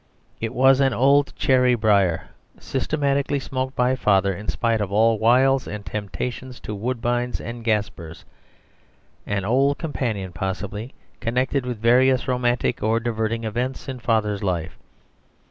It was an old cherry briar; systematically smoked by Father in spite of all wiles and temptations to Woodbines and gaspers; an old companion possibly connected with various romantic or diverting events in Father's life.